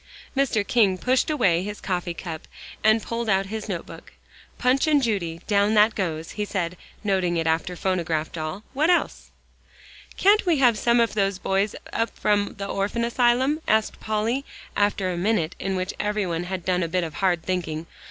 Mr. King pushed away his coffee cup, and pulled out his note book. "'Punch and Judy,' down that goes," he said, noting it after "phonograph doll." "What else?" "Can't we have some of those boys up from the Orphan Asylum?" asked Polly, after a minute in which everybody had done a bit of hard thinking.